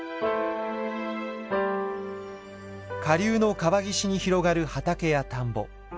下流の川岸に広がる畑や田んぼ。